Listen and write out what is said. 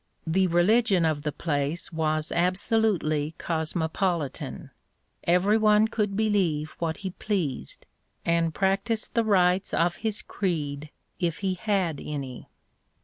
The religion of the place was absolutely cosmo politan. Every one could believe what he pleased, and practise the rites of his creed if he had any.